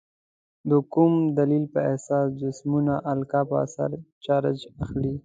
د کوم دلیل په اساس جسمونه القا په اثر چارج اخلي؟